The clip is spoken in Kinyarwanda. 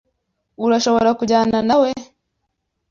Urashobora kujyana nawe.